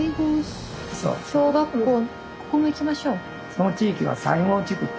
その地域は西郷地区。